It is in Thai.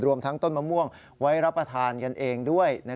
ทั้งต้นมะม่วงไว้รับประทานกันเองด้วย